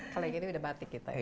kali ini udah batik gitu ya